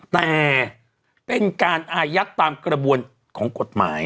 แต่เป็นการอายัดตามกระบวนของกฎหมาย